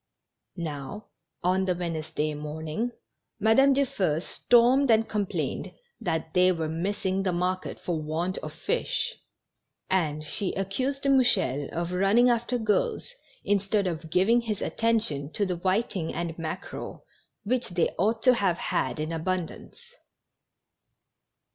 Now, on the Wednesday morning, Madame Dufeu stormed and complained that they were missing the market for want of fish, and she accused Mouchel of running after girls, instead of giving his attention to the whiting and mackerel, which they ought to have had in abundance.